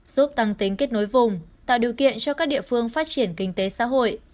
giúp tăng tính kết nối vùng tạo điều kiện cho các địa phương phát triển kinh tế xã hội